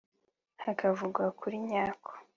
hakavugwa ukuri nyako